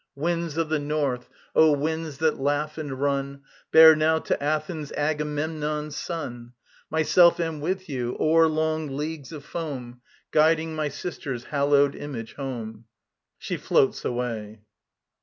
Winds of the north, O winds that laugh and run, Bear now to Athens Agamemnon's son: Myself am with you, o'er long leagues of foam Guiding my sister's hallowed Image home. [she floats away.